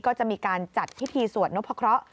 ก็จะมีการจัดพิธีสวดนพคร